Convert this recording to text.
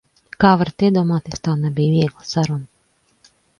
Kā varat iedomāties, tā nebija viegla saruna.